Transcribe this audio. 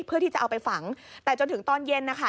เพื่อที่จะเอาไปฝังแต่จนถึงตอนเย็นนะคะ